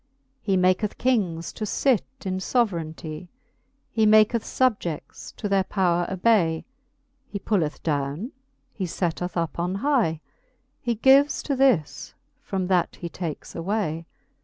He maketh kings to fit in foverainty ; He maketh fubjeds to their powre obay ; He pulleth downe, he fetteth up on hy ; He gives to this, from that he takes away.